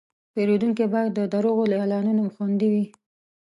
پیرودونکی باید د دروغو له اعلانونو خوندي وي.